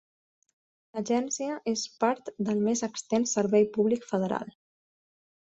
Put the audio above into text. L'agència és part del més extens servei públic federal.